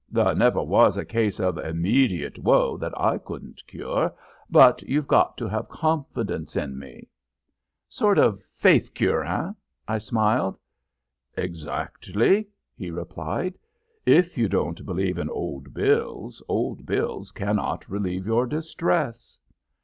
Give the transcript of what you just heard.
There never was a case of immediate woe that I couldn't cure, but you've got to have confidence in me. "Sort of faith cure, eh?" I smiled. "Exactly," he replied. "If you don't believe in Old Bills, Old Bills cannot relieve your distress."